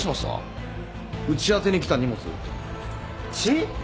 うちあてに来た荷物？血！？